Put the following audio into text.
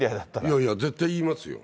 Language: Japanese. いやいや、絶対言いますよ。